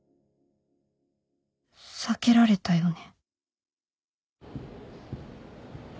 避けられたよね